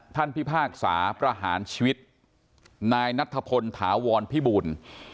พิพากษาประหารชีวิตนายนัทพลถาวรพิบูล